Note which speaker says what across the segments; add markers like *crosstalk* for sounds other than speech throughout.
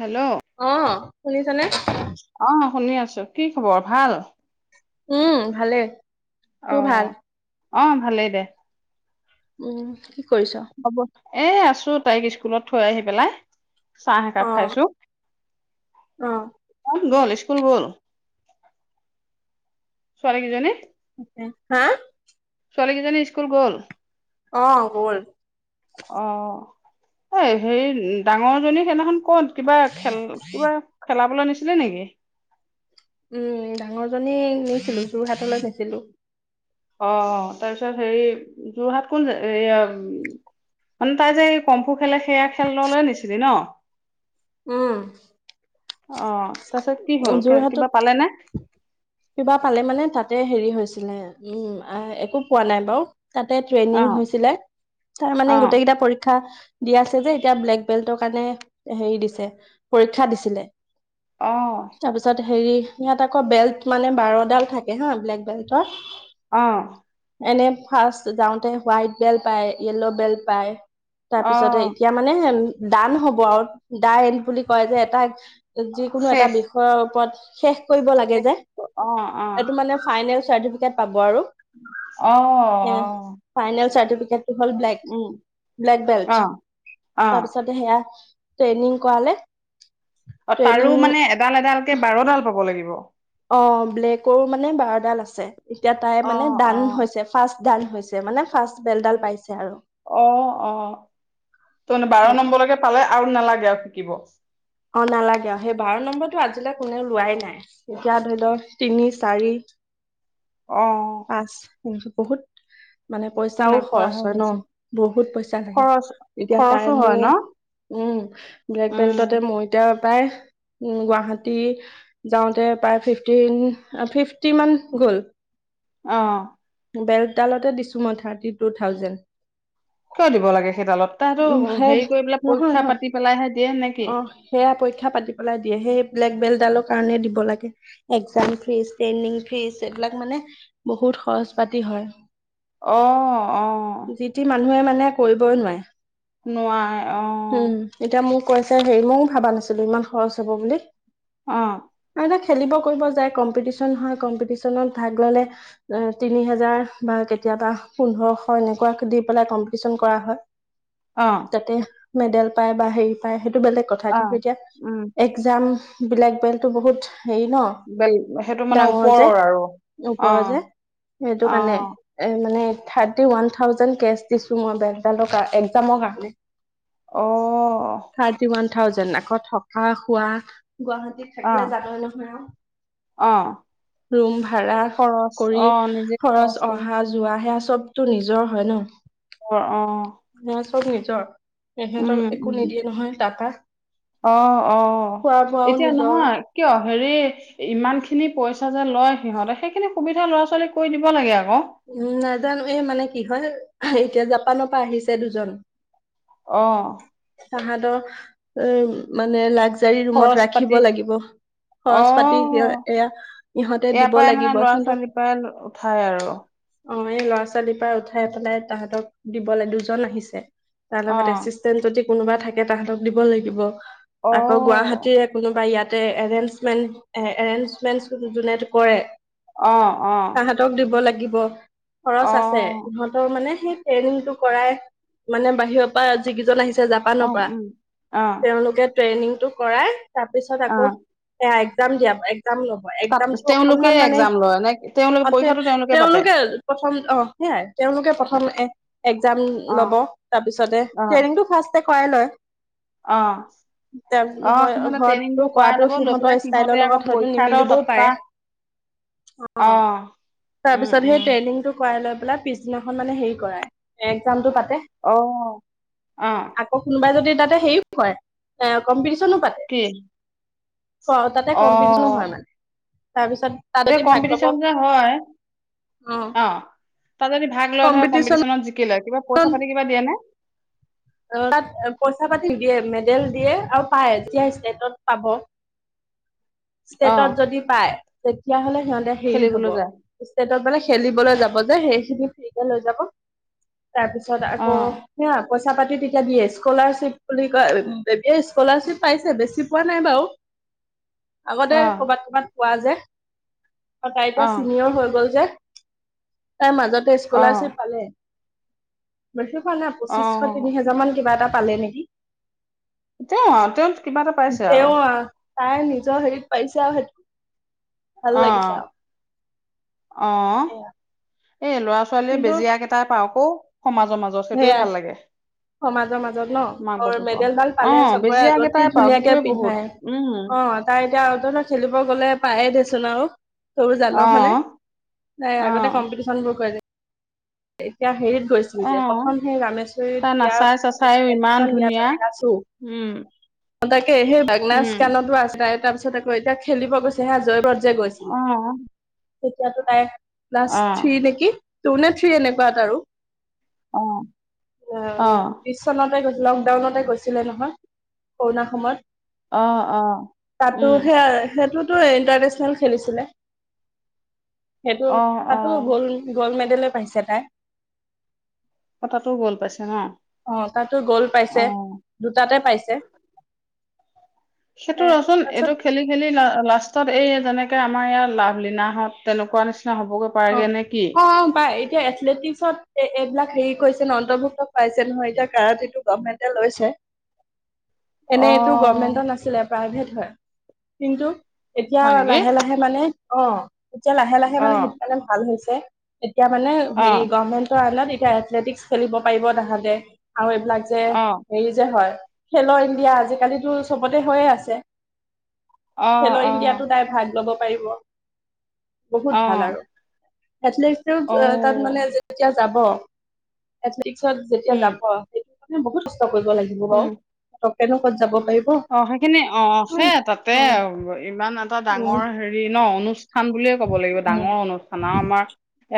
Speaker 1: Hello
Speaker 2: অ' শুনিছানে?
Speaker 1: অ' শুনি আছোঁ। কি খবৰ? ভাল
Speaker 2: উম, ভালেই। তোৰ
Speaker 1: অ'হ।
Speaker 2: ভাল
Speaker 1: অ' ভালেই দে।
Speaker 2: উম! কি কৰিছ?
Speaker 1: হ'ব। এ আছোঁ। তাইক স্কুলত থৈ আহি পেলাই চাহ একাপ
Speaker 2: অ
Speaker 1: খাইছোঁ।
Speaker 2: অ
Speaker 1: মন গ'ল? স্কুল গ'ল? ছোৱালী কিজনী
Speaker 2: হা?
Speaker 1: ছোৱালীকিজনী স্কুল গ'ল?
Speaker 2: অ'হ, গ'ল।
Speaker 1: অ। এই হেৰি ডাঙৰ জনী সেইদিনাখন ক'ত কিবা খেল কিবা, খেলাবলৈ নিছিলে নেকি?
Speaker 2: উম ডাঙৰজনী নিছিলো, যোৰহাটলৈ নিছিলো।
Speaker 1: অ। তাৰপিছত হেৰি, যোৰহাট কোন এ মানে তাই যে এই কমফু খেলে সেয়া খেললে নিছিলি ন?
Speaker 2: উম।
Speaker 1: অ, তাৰছত কি হ'ল
Speaker 2: যোৰহাটত
Speaker 1: কিবা পালে নে?
Speaker 2: কিবা পালে মানে তাতে হেৰি হৈছিলে, উম এ একো পোৱা নাই বাৰু। তাতে
Speaker 1: অ
Speaker 2: ট্ৰেইনিং হৈছিলে। তাৰ মানে
Speaker 1: অ
Speaker 2: গোটেইকেইটা পৰীক্ষা, দিয়া আছে যে। এতিয়া ব্লেক বেল্টৰ কাৰণে হেৰি দিছে পৰীক্ষা দিছিলে।
Speaker 1: অ।
Speaker 2: তাৰপিছত হেৰি, ইয়াত আকৌ বেল্ট মানে বাৰডাল থাকে হা ব্লেক বেল্টৰ।
Speaker 1: অ।
Speaker 2: এনে ফাৰ্ষ্ট যাওঁতে হোৱাইট বেল্ট পায়, য়েল্ল' বেল্ট পায়।
Speaker 1: অ
Speaker 2: তাৰপিছতে এতিয়া মানে, দান হব আৰু দাই বুলি কয় যে এটা, কোনো এটা
Speaker 1: শেষ
Speaker 2: বিষয়ৰ ওপৰত শেষ কৰিব লাগে
Speaker 1: শেষ
Speaker 2: যে।
Speaker 1: অ অ
Speaker 2: এইটো মানে, ফাইনেল চাৰ্টিফিকেট পাব আৰু।
Speaker 1: অ অ।
Speaker 2: ফাইনেল চাৰ্টিকেটটো হ'ল ব্লেক,
Speaker 1: উম
Speaker 2: ব্লেক
Speaker 1: অ
Speaker 2: বেল্ট।
Speaker 1: অ
Speaker 2: তাৰপিছতে সেয়া ট্ৰেইনিং কৰালে।
Speaker 1: অ তাৰো
Speaker 2: ট্ৰেইনিং
Speaker 1: মানে এডাল এডালকে বাৰডাল পাব লাগিব।
Speaker 2: অ ব্লেকৰো মানে বাৰডাল আছে। এতিয়া তাই
Speaker 1: অ
Speaker 2: মানে
Speaker 1: অ
Speaker 2: দান হৈছে। ফাৰ্ষ্ট দান হৈছে। মানে ফাৰ্ষ্ট বেল্টডাল পাইছে আৰু।
Speaker 1: অ অ। ত মানে বাৰ
Speaker 2: সেইটো
Speaker 1: নম্বৰলৈকে পালে আৰু নালাগে আৰু শিকিব।
Speaker 2: অ নালাগে আৰু, সেই বাৰ নম্বৰটো আজিলৈ কোনেও লোৱাই নাই। এতিয়া ধৰি ল তিনি, চাৰি, *inaudible*
Speaker 1: অ।
Speaker 2: পাঁচ বহুত, মানে পইচাও খৰচ
Speaker 1: তেনেকুৱাহে
Speaker 2: হয় ন।
Speaker 1: হৈছে
Speaker 2: বহুত পইচা থাকে।
Speaker 1: খৰচ
Speaker 2: এতিয়া তাই
Speaker 1: খৰচো হয় ন
Speaker 2: মোক, উম। ব্লেক
Speaker 1: উম
Speaker 2: বেল্টতে মই এতিয়া প্ৰায়, উম, গুৱাহাটী যাওঁতে প্ৰায় ফিফটিন, ফিফটি মান গ'ল।
Speaker 1: অ।
Speaker 2: বেল্টডালতে দিছো মই থাৰ্টি টু থাউজেণ্ড।
Speaker 1: কিয় দিব লাগে সেই ডালত, তাইটো
Speaker 2: উম সেই
Speaker 1: হেৰি কৰি পেলাই
Speaker 2: নহয়
Speaker 1: পৰীক্ষা
Speaker 2: নহয়
Speaker 1: পাতি পেলাইহে দিয়ে নেকি?
Speaker 2: অ সেয়া পৰীক্ষা পাতি পেলাই দিয়ে, সেই ব্লেক বেল্টডালৰ কাৰণে দিব লাগে। একজাম ফিজ, ট্ৰেইনিং ফিজ, এইবিলাক মানে বহুত খৰজ পাতি হয়।
Speaker 1: অ। অ
Speaker 2: যি টি মানুহে মানে কৰিবই নোৱাৰে।
Speaker 1: নোৱাই অঁ।
Speaker 2: উম। এতিয়া মোক কৈছে, হেৰি ময়ো ভাবা নাছিলো ইমান খৰছ হব বুলি।
Speaker 1: অঁ।
Speaker 2: আৰু খেলিব কৰিব যায়, কম্পিটিশন হয় কম্পিটিশনত ভাগ ল'লে, এ তিনি হেজাৰ বা কেতিয়াবা পোন্ধৰশ এনেকুৱাক দি পেলাই কম্পিটিচন কৰা হয়।
Speaker 1: অঁ।
Speaker 2: তাতে মেডেল পায় বা হেৰি পায় সেইটো বেলেগ কথা।
Speaker 1: অ
Speaker 2: কিন্তু এতিয়া
Speaker 1: উম
Speaker 2: এক জামবিলাক বেল্টো বহুত হেৰি ন।
Speaker 1: বেল সেইটো মানে
Speaker 2: ডাঙৰ যে,
Speaker 1: ওপৰৰ আৰু অ
Speaker 2: ওপৰ যে সেইটো
Speaker 1: অ
Speaker 2: কাৰণে এ মানে থাৰ্টি ৱান থাউজেণ্ড কেচ দিছো মই বেল্টডালৰ কাৰ একজামৰ কাৰণে।
Speaker 1: অ
Speaker 2: থাৰ্টি ওৱান থাউজেণ্ড আকৌ থকা, খোৱা গুৱাহাটীত
Speaker 1: অ
Speaker 2: থাকিলে জানই নহয় আৰু।
Speaker 1: অ
Speaker 2: ৰুম ভাড়া
Speaker 1: খৰচ
Speaker 2: কৰি
Speaker 1: অ নিজে
Speaker 2: খৰচ
Speaker 1: কৰি
Speaker 2: অহা যোৱা সেয়া চবতো নিজৰ হয় ন।
Speaker 1: অ অ।
Speaker 2: মানে চব নিজৰ।
Speaker 1: উম
Speaker 2: এখেতক একো
Speaker 1: উম
Speaker 2: নিদিয়ে নহয় তাৰপা
Speaker 1: অ অ
Speaker 2: খোৱা বোৱাও
Speaker 1: এতিয়া
Speaker 2: নিজৰ।
Speaker 1: নহয় কিয় হেৰি ইমানখিনি পইচা যে লয় সিহঁতে সেইখিনি সুবিধা ল'ৰা - ছোৱালীক কৰি দিব লাগে আকৌ।
Speaker 2: উম নাজানো এই মানে কি হয় অহ এতিয়া জাপানৰ পৰা আহিছে দুজন।
Speaker 1: অহ।
Speaker 2: তাহাতক এ মানে লাকজাৰী ৰুমত
Speaker 1: খৰচ পাতি
Speaker 2: ৰাখিব লাগিব।
Speaker 1: অ
Speaker 2: খৰচ পাতি সিহ এয়া ইহঁতে দিব লাগিব সিহতৰ
Speaker 1: পৰা উঠাই আৰু।
Speaker 2: অহ এই ল'ৰা - ছোৱালীৰ পৰা উঠাই পেলাই তাহতক দিবলে দুজন আহিছে তাৰ
Speaker 1: অ
Speaker 2: লগত এচিচ টেণ্ট যদি কোনোবাই থাকে তাহতক দিব লাগিব
Speaker 1: অ
Speaker 2: আকৌ গুৱাহাটীৰে কোনোবা ইয়াত তে এৰেনচমেন্ট এ এৰেনচমেন্ট চু যোনে সেইটো কৰে।
Speaker 1: অহ অহ।
Speaker 2: সিহঁতক দিব লাগিব খৰচ আছে,
Speaker 1: অ
Speaker 2: সিহ তৰ মানে সেই ট্ৰেইনিংটো কৰাই মানে বাহিৰৰ পৰা যিকিজন আহিছে জাপ
Speaker 1: অ
Speaker 2: পানৰ পৰা
Speaker 1: উম অ
Speaker 2: তেওঁলোকে ট্ৰেইনিংটো কৰাই তাৰ পিছত
Speaker 1: অ
Speaker 2: আকৌ এয়া একজাম দিয়া একজাম ল' ব
Speaker 1: তাত
Speaker 2: একজামটো
Speaker 1: তেওঁলোকে
Speaker 2: অকনমান মানে
Speaker 1: এক্জাম লয় নে তেওঁলোকে
Speaker 2: অ তে
Speaker 1: পৰীক্ষাটো পাতে
Speaker 2: তেওঁলোকে প্ৰথম অহ সেয়াই তেওঁলোকে প্ৰথম এ একজাম
Speaker 1: অ
Speaker 2: ল'ব তাৰপিছতে ট্ৰেইনিংটো ফাষ্টে কৰাই লয়।
Speaker 1: অহ।
Speaker 2: *unintelligible* হয় ঘৰতটো কৰাটো
Speaker 1: ল'ব লৈ পেলাই
Speaker 2: সিহঁতৰ
Speaker 1: সিহঁতে
Speaker 2: ষ্টাইলৰ
Speaker 1: আকৌ
Speaker 2: লগত হয়তো
Speaker 1: পৰীক্ষা এটাও
Speaker 2: নিমিলিবও
Speaker 1: তাপা
Speaker 2: পাৰে।
Speaker 1: অ
Speaker 2: অহ
Speaker 1: উম
Speaker 2: তাৰপিছত সেই
Speaker 1: উম
Speaker 2: ট্ৰেই নিংটো কৰাই লৈ পেলাই পিছদিনাখন মানে হেৰি কৰাই এ একজামটো পাতে।
Speaker 1: অহ আহ।
Speaker 2: আকৌ কোনোবাই যদি তাতে হেৰিও কৰে, হে কমপিটিচনো পাতে।
Speaker 1: কি?
Speaker 2: অহ তাতে
Speaker 1: অ
Speaker 2: কম্পিটিশনো হয় মানে তাৰপিছত তাত
Speaker 1: এই
Speaker 2: যদি ভাগ ল'ব
Speaker 1: কম্পিটিচন যে হয়
Speaker 2: অ
Speaker 1: অহ। তাত যদি ভাগ লৈ হয়
Speaker 2: কম্পিটিচনত
Speaker 1: কম্পিটিশনত জিকি লয় কিবা পইচা পাতি কিবা দিয়ে নে
Speaker 2: অহ তাত পইচা পাতি নিদিয়ে, মেডেল দিয়ে আৰু পায়তিয়া ষ্টেটত পাব।
Speaker 1: অ
Speaker 2: ষ্টেটত যদি পায় তেতিয়াহলে সিহঁতে হেৰি হ'ব।
Speaker 1: খেলিবলৈ যায়
Speaker 2: ষ্টেটৰ পৰা খেলিবলৈ যাব যে সেইখিনি ফ্ৰীকে লৈ যাব। তাৰ পিছত
Speaker 1: অ
Speaker 2: আকৌ‌ সেই আকচ ছা পাতি তেতিয়া দিয়ে, স্কলাৰশ্বিপ বুলি কয় *unintelligible* এতিয়া স্কলাৰশ্বিপ পাইছে বেছি পোৱা নাই বাৰু।
Speaker 1: অ
Speaker 2: আগতে কৰ'বাত ক'বাত পোৱা যে। তাই
Speaker 1: অ
Speaker 2: এতিয়া চিনিয়ৰ হৈ গল যে, তাই মাজতে
Speaker 1: অ
Speaker 2: স্কলাৰশ্বিপ পালে। বেছি পোৱা নাই
Speaker 1: অ
Speaker 2: পঁচিছশ তিনি হাজাৰ। মান কিবা এটা পালে নেকি!
Speaker 1: তেওঁ তেওঁ কিবা এটা পাইছে আৰু
Speaker 2: তেওঁ আহ- তাই নিজৰ হেৰিত পাইছে আৰু সেইটো ভাল লাগিছে আৰু। সেয়া
Speaker 1: অহ এ লৰা ছোৱালীয়ে
Speaker 2: কিন্তু
Speaker 1: বেজিয়াই কেইটাই পাওঁক আকৌ সমাজৰ মাজত- জোছ সেইটোৱে
Speaker 2: সেয়াই
Speaker 1: ভাল লাগে।
Speaker 2: সমাজৰ মাজত ন
Speaker 1: মাক
Speaker 2: আৰু
Speaker 1: বাপেক
Speaker 2: মেডেলডাল
Speaker 1: অ
Speaker 2: পালে চবৰে
Speaker 1: বেজিয়া
Speaker 2: আগত কি
Speaker 1: কেইটাই পাওক
Speaker 2: ধুনীয়াকে
Speaker 1: সেইটোয়ে বহুত
Speaker 2: পিন্ধাই,
Speaker 1: উম
Speaker 2: অহ। তাই এতিয়া আউতলে খেলিব গ'লে পায়ে দেচোন আৰু। সৰু
Speaker 1: অ
Speaker 2: জানো হয়নে? তাই
Speaker 1: অ
Speaker 2: আগতে কম্পিটিশন বোৰ কৰিলে। এতিয়া হেৰিত
Speaker 1: অ
Speaker 2: গৈছে। প্ৰথম সেই ৰামেশ্বৰীত
Speaker 1: তাই
Speaker 2: দিয়া
Speaker 1: নাচাই চাচাইও ইমান
Speaker 2: এডমিচন দিয়াৰ
Speaker 1: ধুনীয়া
Speaker 2: পিছত গৈছো।
Speaker 1: উম।
Speaker 2: অঁ, তাকে, সেই বাগনাচ
Speaker 1: উম
Speaker 2: কানতো আছে তাৰে, তাৰ পিছত আকৌ এতিয়া খেলিব গৈছে হা, জয়পুৰত যে গৈছে।
Speaker 1: অঁ।
Speaker 2: তেতিয়াতো তাই ক্লাছ থ্ৰী নেকি? টু নে থ্ৰী এনেকুৱাত আৰু।
Speaker 1: অ অ
Speaker 2: *unintelligible* *unintelligible* লকডাউনতে গৈছিলে নহয়, কৰোণা সময়ত।
Speaker 1: অ অ
Speaker 2: তাতো
Speaker 1: উম
Speaker 2: সেয়া, সেইটো- ইণ্টাৰনেচনেল খেলিছিলে, সেইটো,
Speaker 1: অ অ
Speaker 2: তাতো গল। গ'ল্ড মেডেলে পাইছে তাই।
Speaker 1: কথাতটো গ'ল পাইছে না।
Speaker 2: অঁ, তাতো গল্ড পাইছে, দুটাতে পাইছে। এ
Speaker 1: সেইটো ৰ'চোন,
Speaker 2: তাৰপিছত
Speaker 1: এইটো খেলি- খেলি লা-লাষ্টত এই যেনেকে আমাৰ ইয়াৰ লাভলিনা হত, তেনেকুৱা নিচিনা হ'বগৈ।
Speaker 2: অঁ,
Speaker 1: পাৰেগে নে কি
Speaker 2: অঁ পাই, এতিয়া এথলেটিক- পছত এইবিলাক হেৰি কৰিছে ন', অন্তৰ্ভুক্ত পাইছে নহয়। এতিয়া কাৰাতেটো গৰ্মেন্টে লৈছে। *inaudible* এনে এইটো
Speaker 1: অ',
Speaker 2: গভৰ্মেন্টৰ নাছিলে, প্ৰাইভেট হয়। কিন্তু এতিয়া
Speaker 1: হয় নেকি?
Speaker 2: লাহে-লাহে- মানে অঁ, এতিয়া লাহে-লাহে মানে
Speaker 1: অ'।
Speaker 2: সেইটো কাৰণে ভাল হৈছে, এতিয়া মানে হে
Speaker 1: অ',
Speaker 2: গৰ্মেন্তে- তাত এতিয়া এথলেটিক খেলিব পাৰিব তাহাঁতে আৰু এইবিলাক যে
Speaker 1: অ',
Speaker 2: হেৰি যে হয়- খেলো ইণ্ডিয়া, আজিকালিতো চবতে হৈয়ে আছে।
Speaker 1: অ',
Speaker 2: খেলো ইণ্ডিয়াতটো
Speaker 1: অ',
Speaker 2: তাই ভাগ ল'ব পাৰিব,
Speaker 1: অ',
Speaker 2: বহুত ভাল
Speaker 1: অ',
Speaker 2: আৰু। এথলেটিক তাত মানে যেতিয়া যাব, এথলেটিকছত যেতিয়া
Speaker 1: উম।
Speaker 2: যাব- সেইটো কাৰণে বহুত কষ্ট কৰিব লাগিব বাৰু, পতককে নো কত যাব পাৰিব।
Speaker 1: অঁ, সেইখিনি অ',
Speaker 2: উম
Speaker 1: সেই তাতে
Speaker 2: উম
Speaker 1: আৰু। ইমান এটা ডাঙৰ হেৰি ন' অনু- অনুষ্ঠান বুলিয়ে ক'ব লাগিব।
Speaker 2: উম
Speaker 1: ডাঙৰ অনুষ্ঠান, আৰু আমাৰ-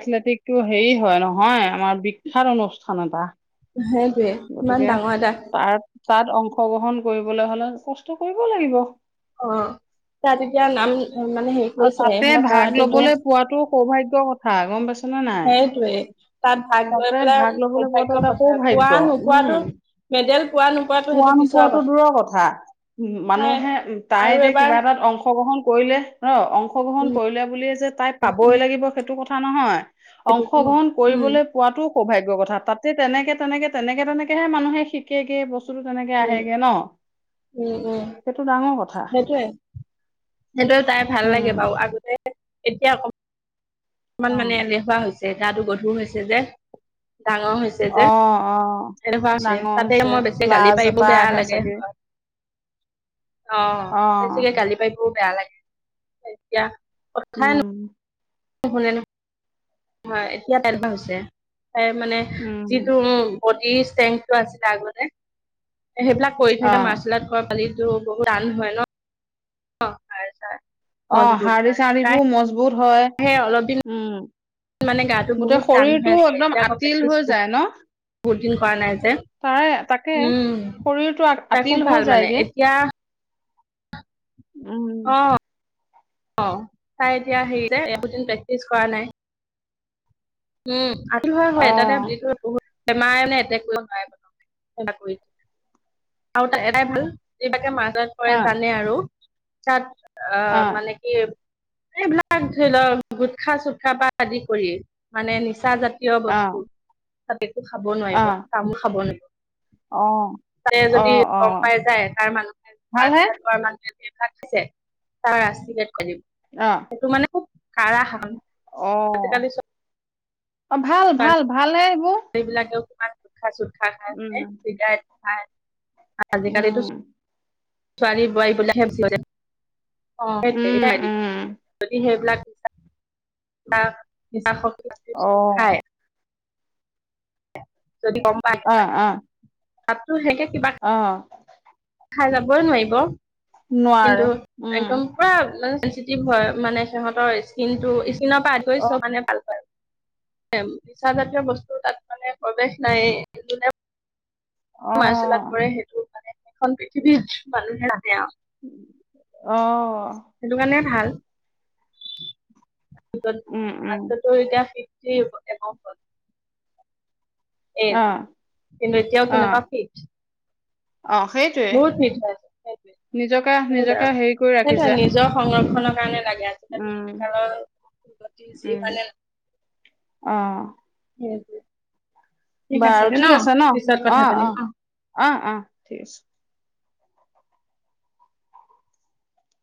Speaker 1: এথলেটিকটো হেৰি হয় নহয়, আমাৰ বিখ্যাত অনুষ্ঠান এটা।
Speaker 2: সেইটোৱে, ইমান
Speaker 1: গতিকে
Speaker 2: ডাঙৰ এটা-
Speaker 1: তাৰ তাত অংশগ্ৰহণ কৰিবলৈ হলে কষ্ট কৰিব লাগিব।
Speaker 2: অঁ, তাত এতিয়া নাম মানে হেৰি
Speaker 1: আৰু
Speaker 2: কৰিছে,
Speaker 1: তাতে
Speaker 2: ইহঁতৰ
Speaker 1: ভাগ
Speaker 2: কাৰাটে-
Speaker 1: ল'বলৈ পোৱাটো সৌভাগ্যৰ কথা, গম পাইছ- নাই,
Speaker 2: সেইটোৱে তাত ভাগ লৈ
Speaker 1: তাতে
Speaker 2: পেলাই
Speaker 1: ভাগ লবলৈ পোৱাটো
Speaker 2: সৌভাগ্যৰ
Speaker 1: এটা
Speaker 2: কথা পোৱা
Speaker 1: সৌভাগ্য। উম।
Speaker 2: নোপোৱাটো মেডেল পোৱা নোপোৱাটো
Speaker 1: পোৱা
Speaker 2: সেইটো পিছৰ
Speaker 1: নোপোৱাতটো দূৰৰ কথা। উম
Speaker 2: হয়
Speaker 1: মানুহে, তাই
Speaker 2: আৰু
Speaker 1: এতিয়া
Speaker 2: এবাৰ
Speaker 1: কিবা এটাত অংশগ্ৰহণ কৰিলে- ন' অংশগ্ৰহণ
Speaker 2: উম,
Speaker 1: কৰিলে বুলিয়ে যে তাই
Speaker 2: উম,
Speaker 1: পাবই লাগিব, সেইটো কথা নহয়।
Speaker 2: সেইটোতো ন
Speaker 1: অংশগ্ৰহণ
Speaker 2: উম,
Speaker 1: কৰিবলে পোৱাতোও সৌভাগ্যৰ কথা, তাতে তেনেকে, তেনেকে তেনেকে তেনেকেহে মানুহে শিকেগে বস্তু। বস্তুটো তেনেকে
Speaker 2: উম,
Speaker 1: আহেগে ন', সেইটো ডাঙৰ কথা।
Speaker 2: সেইটোৱে, সেইটো তাই ভাল লাগে
Speaker 1: উম
Speaker 2: বাৰু, আগতে এতিয়া অকমান
Speaker 1: অ
Speaker 2: মানে এলেহুৱা হৈছে, গাতো গধুৰ হৈছে যে, ডাঙৰ হৈ হৈছে যে,
Speaker 1: অ অ
Speaker 2: এনেকুৱা হৈছে,
Speaker 1: ডাঙৰ
Speaker 2: তাতে
Speaker 1: হৈছে
Speaker 2: মই বেছি গালি
Speaker 1: লাজ
Speaker 2: পাৰিব
Speaker 1: এটা
Speaker 2: বেয়া
Speaker 1: আহে
Speaker 2: লাগে।
Speaker 1: চাগে
Speaker 2: হয় অ', বেছিকে গালি পাৰিবও বেয়া লাগে, এতিয়া
Speaker 1: উম।
Speaker 2: শুনে ন, এতিয়া তেনেকুৱা হৈছে, তাই মানে
Speaker 1: উম
Speaker 2: যিটো বডী স্ত্ৰেন্থটো আছিলে আগতে, সেইবিলাক কৰি
Speaker 1: অ
Speaker 2: থাকে, মাৰ্চেল আৰ্ট পালিটো বহুত টান হয় ন'। অ, *unintelligible*
Speaker 1: অ', হাৰ্ডি চাৰ্ডিবোৰ মজবুত হয়,
Speaker 2: সেই অলপ দিন
Speaker 1: উম।
Speaker 2: মানে, গাটো
Speaker 1: গোটেই
Speaker 2: বহুত টান হৈ
Speaker 1: শৰীৰটো
Speaker 2: আছে,
Speaker 1: একদম
Speaker 2: এতিয়া আকৌ
Speaker 1: আতিল
Speaker 2: প্ৰেক্টিছ
Speaker 1: হৈ
Speaker 2: বহুত
Speaker 1: ন'।
Speaker 2: বহুত দিন কৰা নাই যে,
Speaker 1: তাৰে তাকে
Speaker 2: উম,
Speaker 1: শৰীৰটো আ-
Speaker 2: তাই
Speaker 1: আতিল
Speaker 2: খুব
Speaker 1: হৈ
Speaker 2: ভাল মানে,
Speaker 1: যায়গে
Speaker 2: এতিয়া
Speaker 1: উম
Speaker 2: অ', অ', তাই এতিয়া হেৰি যে একো দিন প্ৰেক্টিচ কৰা নাই। উম, *unintelligible* হয় হয়
Speaker 1: অ
Speaker 2: এটাতে *unintelligible* বেমাৰে *inaudible* আৰু তাত এটাই ভাল, এইবাকে মাজত কৰে
Speaker 1: অ
Speaker 2: জানে আৰু তাত অ' মানে এই এইবিলাক ধৰি লওক গুটখা চুটখা পা আদি কৰি মানে, নিচা জাত তীয়,
Speaker 1: অ
Speaker 2: বস্তু তাত একো খাব
Speaker 1: অ
Speaker 2: নোৱাৰিব, তামোল খাব নোৱাৰিব।
Speaker 1: অ'।
Speaker 2: তে
Speaker 1: অ
Speaker 2: যদি
Speaker 1: অ
Speaker 2: গম পাই যায় তাৰ
Speaker 1: ভালহে
Speaker 2: মানুহে *unintelligible* *inaudible*
Speaker 1: অ'।
Speaker 2: এইটো মানে খুব কাৰা শাসন।
Speaker 1: অ',
Speaker 2: আজিকালি
Speaker 1: অ', ভাল, ভাল ভালহে এইবোৰ।
Speaker 2: এইবিলাকেও তুমাৰ গুটখা চুতখা
Speaker 1: উম
Speaker 2: খায় *unintelligible* আজিকালিতো
Speaker 1: উম
Speaker 2: ছোৱালী বোৱাৰীবিলাক হে বেছি
Speaker 1: উম
Speaker 2: *unintelligible* যদি
Speaker 1: উম
Speaker 2: সেইবিলাক
Speaker 1: অ
Speaker 2: *unintelligible* খায়। যদি গম পায়।
Speaker 1: অ', অ'।
Speaker 2: তাততো *unintelligible* কিবা
Speaker 1: অ'।
Speaker 2: খাই যাবই নোৱাৰিব, কিন্তু
Speaker 1: নোৱাৰে উম
Speaker 2: একদম পুৰা *unintelligible* হয়, মানে সিহঁতৰ স্কিনটো, স্কিনৰ পৰা আতৰি
Speaker 1: অ
Speaker 2: মানে ভাল পায়। নিচাজাতীয় বস্তু তাত মানে প্ৰৱেশ নায়ে। *unintelligible*
Speaker 1: অ
Speaker 2: মাৰ্চেল আৰ্ট কৰে, সেইটো মানে এখন পৃথিৱীৰ মানুহে *unintelligible* আৰু।
Speaker 1: অ'।
Speaker 2: সেইটো কাৰণে ভাল। *unintelligible*
Speaker 1: উম উম
Speaker 2: এতিয়া ফিফটি এবভ হ'ল। এজ,
Speaker 1: অ
Speaker 2: কিন্তু এতিয়াও
Speaker 1: অ
Speaker 2: কেনেকুৱা ফিট।
Speaker 1: অ', সেইটোৱে।
Speaker 2: বহুত ফিট হয়,
Speaker 1: নিজকে নিজকে হেৰি কৰি
Speaker 2: সেইটোৱে
Speaker 1: ৰাখিছে।
Speaker 2: নিজৰ সংৰক্ষণৰ কাৰণে লাগে।
Speaker 1: উম
Speaker 2: *unintelligible*
Speaker 1: উম।
Speaker 2: যিফালে
Speaker 1: অ
Speaker 2: সেইটোৱে।
Speaker 1: বাৰু ঠিক আছে নহ,
Speaker 2: পিছত
Speaker 1: অঁ
Speaker 2: কথা পাতিম অ
Speaker 1: অঁ অঁ অঁ ঠিক আছে।